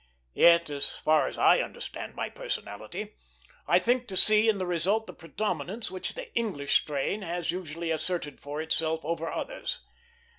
Yet, as far as I understand my personality, I think to see in the result the predominance which the English strain has usually asserted for itself over others.